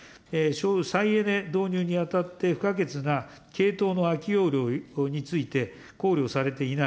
再エネ導入にあたって不可欠なけいとうの空き容量について考慮されていない。